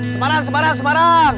semarang semarang semarang